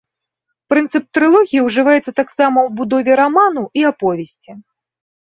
Прынцып трылогіі ўжываецца таксама ў будове раману і аповесці.